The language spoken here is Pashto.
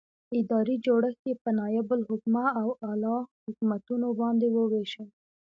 ادارې جوړښت یې په نائب الحکومه او اعلي حکومتونو باندې وویشه.